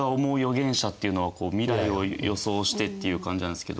げんしゃっていうのは未来を予想してっていう感じなんですけど。